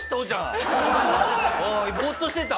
ぼーっとしてた。